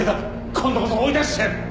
今度こそ追い出してやる！